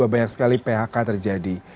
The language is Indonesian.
banyak sekali phk terjadi